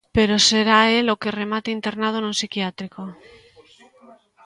Pero será el o que remate internado nun psiquiátrico.